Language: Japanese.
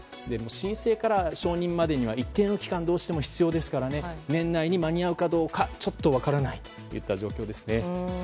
申請から承認までには一定の期間がどうしても必要ですから年内に間に合うかどうかちょっと分からないといった状況です。